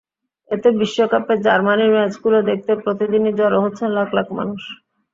এতে বিশ্বকাপে জার্মানির ম্যাচগুলো দেখতে প্রতিদিনই জড়ো হচ্ছেন লাখ লাখ মানুষ।